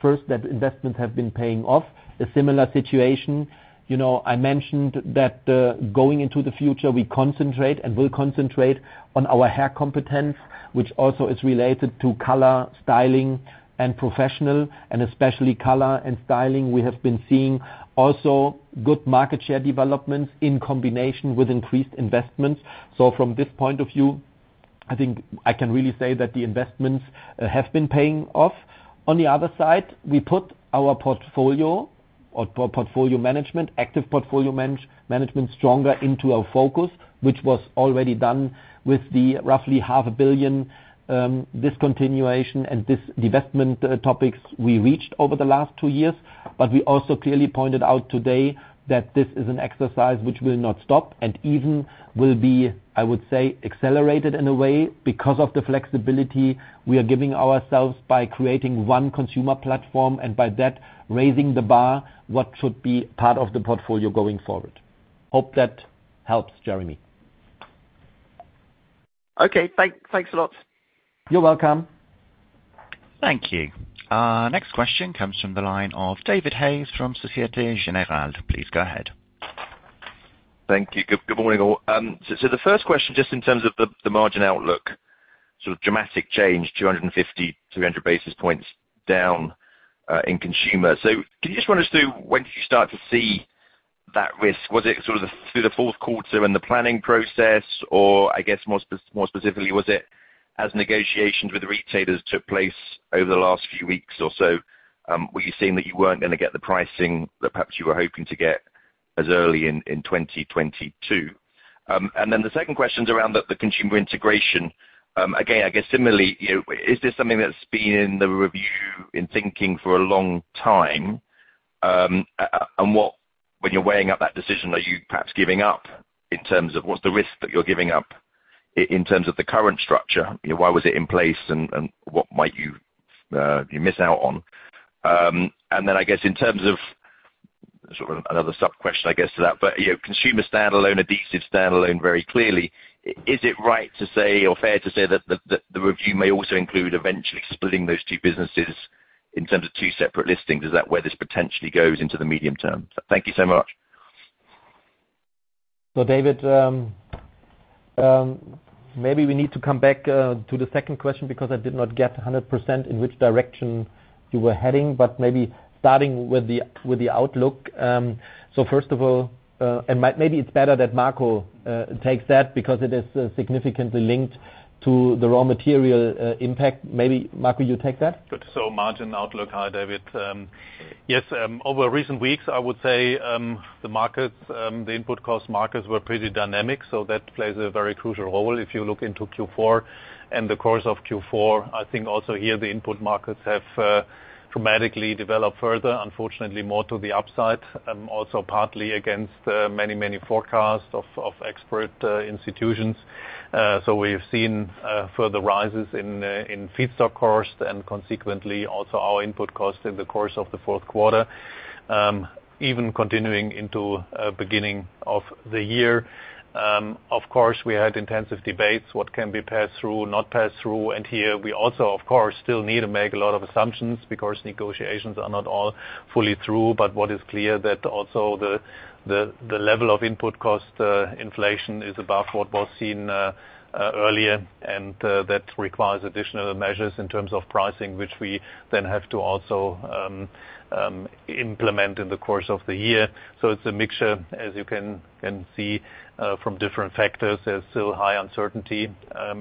first, that investments have been paying off. A similar situation, I mentioned that going into the future, we concentrate and will concentrate on our hair competence, which also is related to color, styling and professional, and especially color and styling we have been seeing also good market share developments in combination with increased investments. From this point of view, I think I can really say that the investments have been paying off. On the other side, we put our portfolio or portfolio management, active portfolio management stronger into our focus, which was already done with the roughly half a billion discontinuation and divestment topics we reached over the last two years. We also clearly pointed out today that this is an exercise which will not stop and even will be, I would say, accelerated in a way because of the flexibility we are giving ourselves by creating one consumer platform and by that, raising the bar, what should be part of the portfolio going forward. Hope that helps, Jeremy. Okay, thanks a lot. You're welcome. Thank you. Next question comes from the line of David Hayes from Societe Generale. Please go ahead. Thank you. Good morning, all. The first question, just in terms of the margin outlook, dramatic change, 250 basis points, 300 basis points down, in consumer. Can you just run us through, when did you start to see that risk? Was it through the fourth quarter and the planning process or I guess more specifically, was it as negotiations with retailers took place over the last few weeks or so, were you seeing that you weren't going to get the pricing that perhaps you were hoping to get as early in 2022? The second question is around the consumer integration. Again, I guess similarly, is this something that's been in the review, in thinking for a long time? When you're weighing up that decision, are you perhaps giving up in terms of what's the risk that you're giving up in terms of the current structure? Why was it in place and what might you miss out on? Then I guess in terms of sort of another sub question, I guess to that, but Consumer standalone, Adhesives standalone very clearly, is it right to say or fair to say that the review may also include eventually splitting those two businesses in terms of two separate listings? Is that where this potentially goes into the medium term? Thank you so much. David, maybe we need to come back to the second question because I did not get 100% in which direction you were heading, but maybe starting with the outlook. First of all, and maybe it's better that Marco takes that because it is significantly linked to the raw material impact. Maybe Marco, you take that. Good. Margin outlook. Hi, David. Yes, over recent weeks, I would say, the input cost markets were pretty dynamic, so that plays a very crucial role if you look into Q4 and the course of Q4, I think also here the input markets have dramatically developed further, unfortunately more to the upside. Also partly against many forecasts of expert institutions. We've seen further rises in feedstock cost and consequently also our input cost in the course of the fourth quarter. Even continuing into beginning of the year. Of course, we had intensive debates, what can be passed through, not passed through, and here we also, of course, still need to make a lot of assumptions because negotiations are not all fully through. What is clear that also the level of input cost inflation is above what was seen earlier and that requires additional measures in terms of pricing, which we then have to also implement in the course of the year. It's a mixture, as you can see from different factors. There's still high uncertainty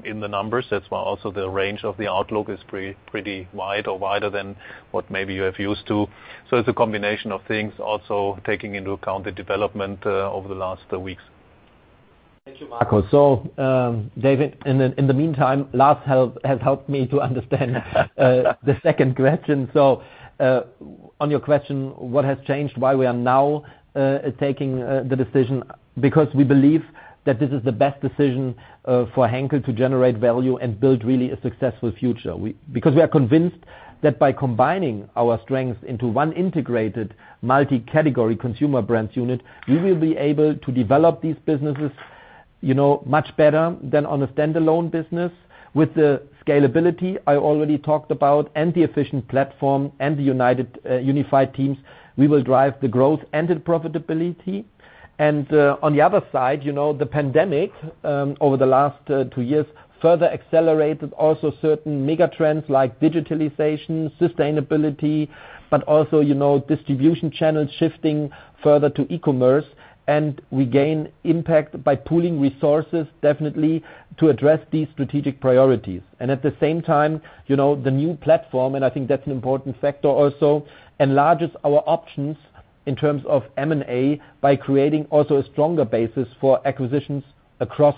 in the numbers. That's why also the range of the outlook is pretty wide or wider than what maybe you have used to. It's a combination of things also taking into account the development over the last weeks. Thank you, Marco. David, in the meantime, helped me to understand the second question. On your question, what has changed, why we are now taking the decision? Because we believe that this is the best decision for Henkel to generate value and build really a successful future. Because we are convinced that by combining our strengths into one integrated multi-category Consumer Brands unit, we will be able to develop these businesses much better than on a standalone business. With the scalability I already talked about, and the efficient platform, and the unified teams, we will drive the growth and the profitability. On the other side, the pandemic over the last two years further accelerated also certain mega trends like digitalization, sustainability, but also distribution channels shifting further to e-commerce. We gain impact by pooling resources, definitely, to address these strategic priorities. At the same time, the new platform, and I think that's an important factor also, enlarges our options in terms of M&A by creating also a stronger basis for acquisitions across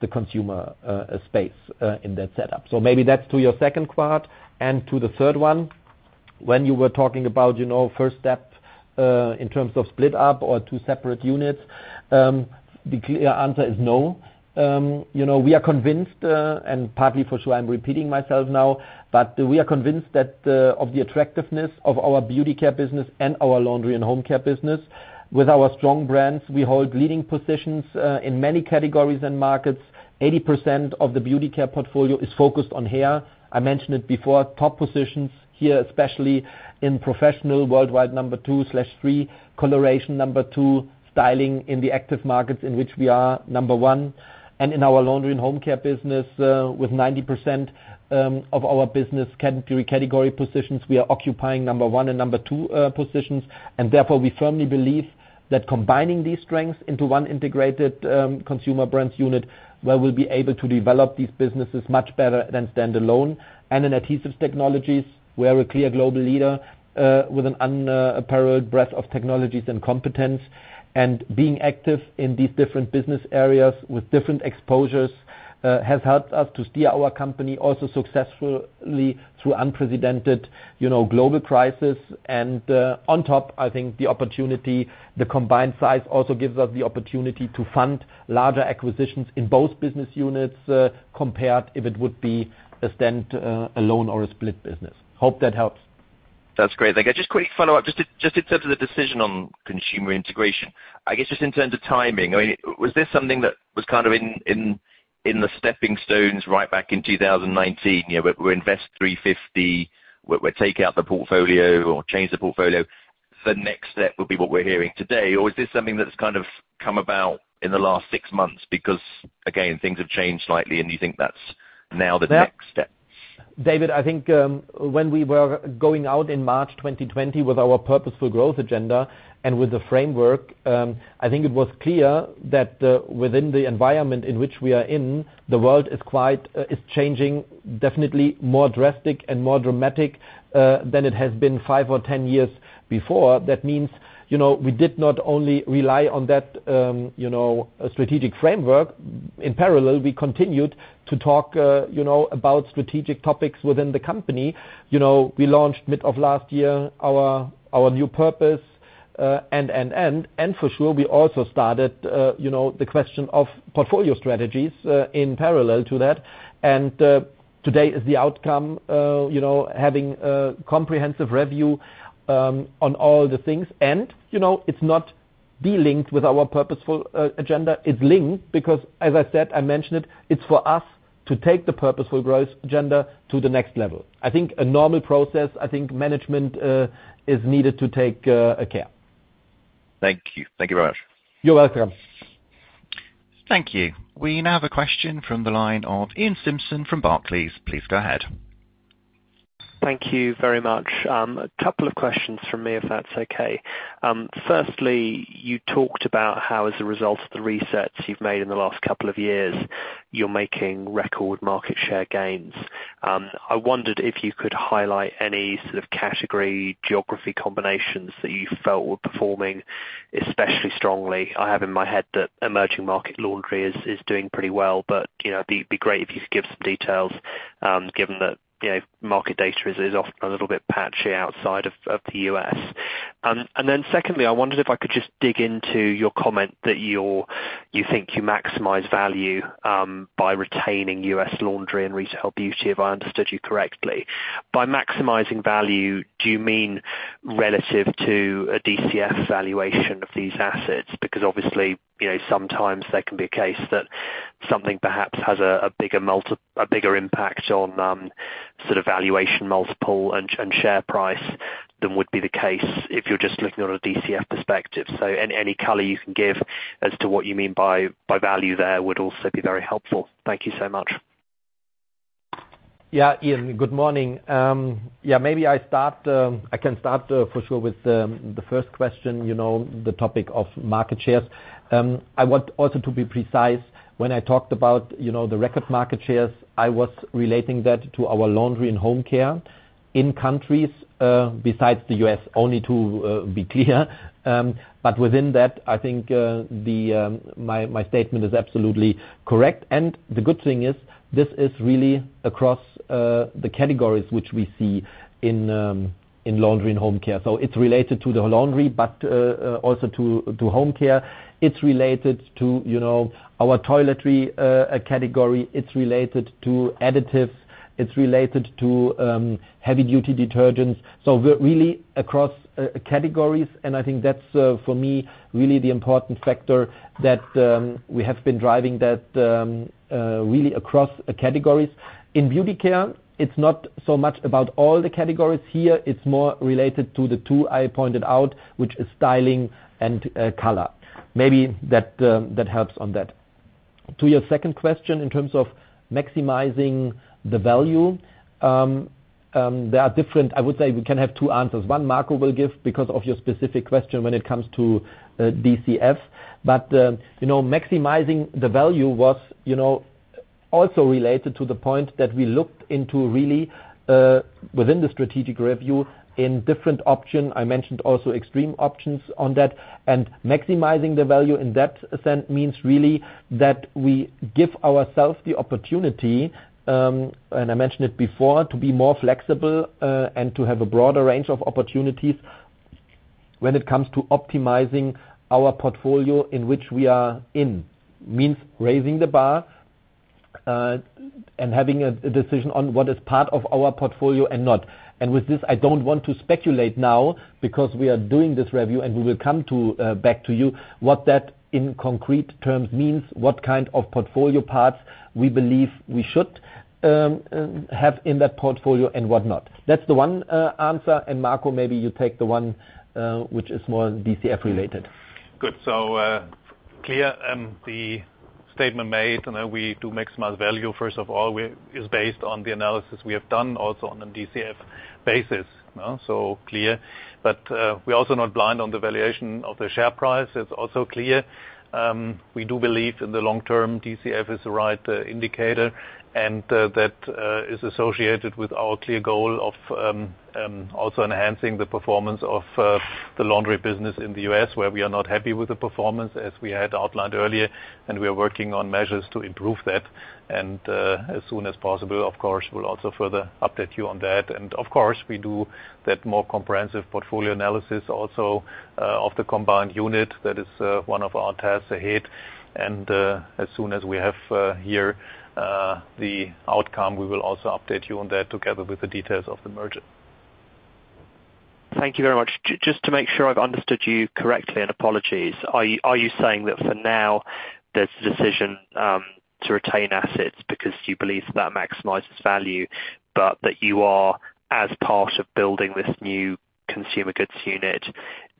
the consumer space in that setup. Maybe that's to your second part and to the third one, when you were talking about first step in terms of split up or two separate units, the clear answer is no. We are convinced, and partly for sure I'm repeating myself now, but we are convinced of the attractiveness of our Beauty Care business and our Laundry & Home Care business. With our strong brands, we hold leading positions in many categories and markets. 80% of the Beauty Care portfolio is focused on hair. I mentioned it before, top positions here, especially in professional worldwide, number two/three coloration, number two styling in the active markets in which we are number one. In our Laundry & Home Care business, with 90% of our business category positions, we are occupying number one and number two positions. Therefore, we firmly believe that combining these strengths into one integrated Consumer Brands unit, where we'll be able to develop these businesses much better than standalone. In Adhesive Technologies, we are a clear global leader with an unparalleled breadth of technologies and competence. Being active in these different business areas with different exposures, has helped us to steer our company also successfully through unprecedented global crisis. On top, I think the combined size also gives us the opportunity to fund larger acquisitions in both business units, compared if it would be a standalone or a split business. Hope that helps. That's great. Thank you. Just quick follow-up, just in terms of the decision on consumer integration. I guess just in terms of timing, was this something that was kind of in the stepping stones right back in 2019? We invest 350, we're taking out the portfolio or change the portfolio. The next step would be what we're hearing today, or is this something that's kind of come about in the last six months because, again, things have changed slightly, and you think that's now the next step? David, I think when we were going out in March 2020 with our Purposeful Growth agenda and with the framework, I think it was clear that within the environment in which we are in, the world is changing definitely more drastic and more dramatic than it has been five or 10 years before. That means we did not only rely on that strategic framework. In parallel, we continued to talk about strategic topics within the company. We launched mid of last year our new purpose, and for sure, we also started the question of portfolio strategies in parallel to that. Today is the outcome, having a comprehensive review on all the things, and it's not de-linked with our Purposeful Growth agenda. It's linked because as I said, I mentioned it's for us to take the Purposeful Growth agenda to the next level. I think a normal process, I think management, is needed to take a care. Thank you. Thank you very much. You're welcome. Thank you. We now have a question from the line of Iain Simpson from Barclays. Please go ahead. Thank you very much. A couple of questions from me, if that's okay. Firstly, you talked about how as a result of the resets you've made in the last couple of years, you're making record market share gains. I wondered if you could highlight any sort of category geography combinations that you felt were performing especially strongly. I have in my head that emerging market laundry is doing pretty well, it'd be great if you could give some details, given that market data is often a little bit patchy outside of the U.S. Secondly, I wondered if I could just dig into your comment that you think you maximize value by retaining U.S. Laundry and Retail Beauty, if I understood you correctly. By maximizing value, do you mean relative to a DCF valuation of these assets? Obviously, sometimes there can be a case that something perhaps has a bigger impact on valuation multiple and share price than would be the case if you're just looking on a DCF perspective. Any color you can give as to what you mean by value there would also be very helpful? Thank you so much. Yeah, Iain, good morning. Maybe I can start for sure with the first question, the topic of market shares. I want also to be precise, when I talked about the record market shares, I was relating that to our Laundry & Home Care in countries besides the U.S., only to be clear. Within that, I think my statement is absolutely correct. The good thing is, this is really across the categories which we see in Laundry & Home Care. It's related to the laundry, but also to home care. It's related to our toiletry category. It's related to additives. It's related to heavy duty detergents. Really across categories, and I think that's, for me, really the important factor that we have been driving that really across categories. In Beauty Care, it's not so much about all the categories here, it's more related to the two I pointed out, which is styling and color. Maybe that helps on that. To your second question, in terms of maximizing the value, there are different, I would say we can have two answers. One Marco will give because of your specific question when it comes to DCF. Maximizing the value was also related to the point that we looked into, really, within the strategic review in different options. I mentioned also extreme options on that. Maximizing the value in that sense means really that we give ourselves the opportunity, and I mentioned it before, to be more flexible, and to have a broader range of opportunities when it comes to optimizing our portfolio in which we are in. Means raising the bar, and having a decision on what is part of our portfolio and not. With this, I don't want to speculate now, because we are doing this review, and we will come back to you what that in concrete terms means, what kind of portfolio parts we believe we should have in that portfolio and whatnot. That's the one answer, and Marco, maybe you take the one, which is more DCF related. Good. Clear, the statement made, and we do maximize value, first of all, is based on the analysis we have done also on a DCF basis. Clear. We're also not blind on the valuation of the share price. It's also clear. We do believe in the long term DCF is the right indicator, and that is associated with our clear goal of also enhancing the performance of the Laundry business in the U.S., where we are not happy with the performance, as we had outlined earlier, and we are working on measures to improve that. As soon as possible, of course, we'll also further update you on that. Of course, we do that more comprehensive portfolio analysis also, of the combined unit. That is one of our tasks ahead. As soon as we have here the outcome, we will also update you on that together with the details of the merger. Thank you very much. Just to make sure I've understood you correctly, and apologies, are you saying that for now, there's a decision to retain assets because you believe that maximizes value, but that you are, as part of building this new consumer goods unit.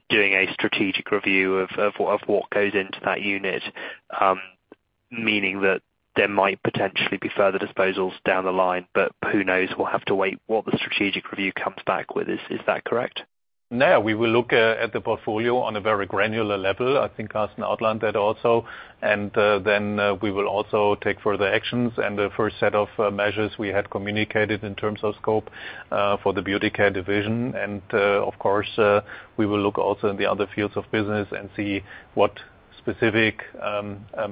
Doing a strategic review of what goes into that unit, meaning that there might potentially be further disposals down the line, but who knows? We'll have to wait what the strategic review comes back with. Is that correct? No, we will look at the portfolio on a very granular level. I think Carsten outlined that also. Then we will also take further actions and the first set of measures we had communicated in terms of scope for the Beauty Care division. Of course, we will look also in the other fields of business and see what specific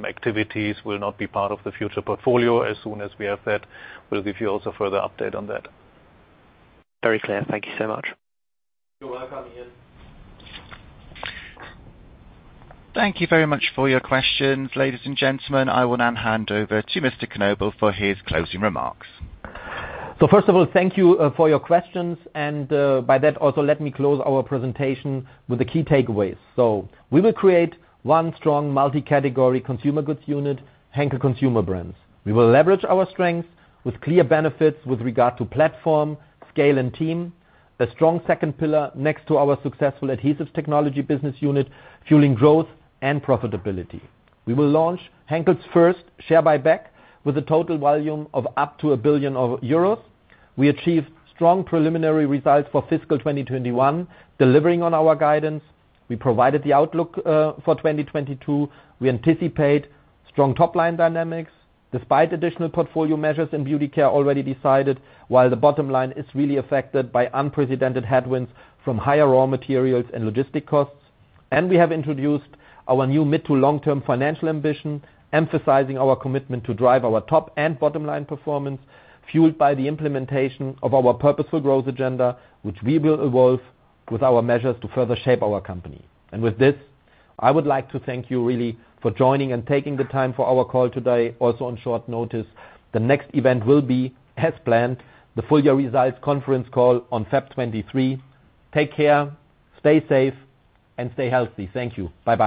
activities will not be part of the future portfolio. As soon as we have that, we'll give you also further update on that. Very clear. Thank you so much. You're welcome, Iain. Thank you very much for your questions, ladies and gentlemen. I will now hand over to Mr. Knobel for his closing remarks. First of all, thank you for your questions, and by that also let me close our presentation with the key takeaways. We will create one strong multi-category consumer goods unit, Henkel Consumer Brands. We will leverage our strengths with clear benefits with regard to platform, scale, and team. A strong second pillar next to our successful Adhesive Technologies business unit, fueling growth and profitability. We will launch Henkel's first share buyback with a total volume of up to 1 billion euros. We achieved strong preliminary results for fiscal 2021, delivering on our guidance. We provided the outlook for 2022. We anticipate strong top-line dynamics despite additional portfolio measures in Beauty Care already decided, while the bottom line is really affected by unprecedented headwinds from higher raw materials and logistic costs. We have introduced our new mid- to long-term financial ambition, emphasizing our commitment to drive our top and bottom line performance, fueled by the implementation of our Purposeful Growth agenda, which we will evolve with our measures to further shape our company. With this, I would like to thank you really for joining and taking the time for our call today, also on short notice. The next event will be, as planned, the full year results conference call on February 23. Take care, stay safe, and stay healthy. Thank you. Bye-bye.